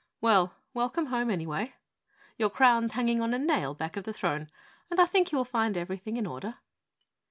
Well, welcome home anyway, your crown's hanging on a nail back of the throne and I think you will find everything in order."